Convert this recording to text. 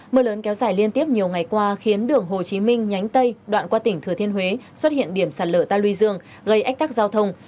mưa lớn kéo dài liên tiếp nhiều ngày qua khiến đường hồ chí minh nhánh tây đoạn qua tỉnh thừa thiên huế xuất hiện điểm sạt lở ta luy dương gây ách tắc giao thông